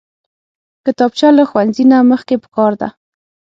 کتابچه له ښوونځي نه مخکې پکار ده